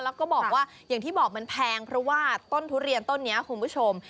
แล้วก็บอกว่าอย่างที่บอกมันแพงเพราะว่าต้นทุเรียนต้นนี้คุณผู้ชม